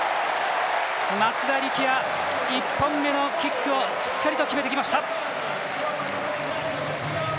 松田力也、１本目のキックをしっかりと決めてきました。